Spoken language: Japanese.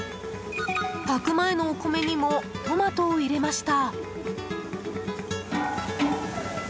炊く前のお米にもトマトを入れました。